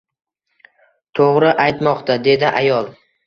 — To‘g‘ri aytmoqda! — dedi ayol.